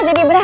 eh jadi beran